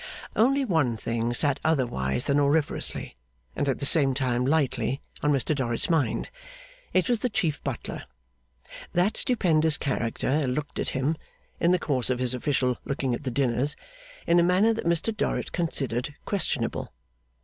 Only one thing sat otherwise than auriferously, and at the same time lightly, on Mr Dorrit's mind. It was the Chief Butler. That stupendous character looked at him, in the course of his official looking at the dinners, in a manner that Mr Dorrit considered questionable.